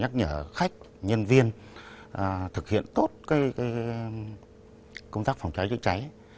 nhắc nhở khách nhân viên thực hiện tốt công tác phòng cháy chữa cháy